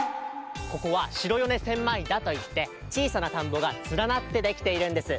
ここは白米千枚田といってちいさなたんぼがつらなってできているんです。